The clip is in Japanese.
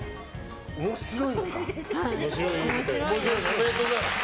ありがとうございます！